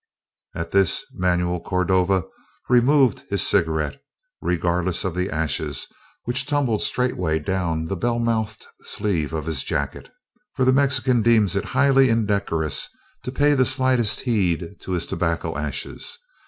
At this, Manuel Cordova removed his cigarette, regardless of the ashes which tumbled straightway down the bell mouthed sleeve of his jacket; for a Mexican deems it highly indecorous to pay the slightest heed to his tobacco ashes.